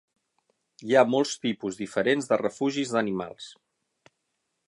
Hi ha molts tipus diferents de refugis d'animals.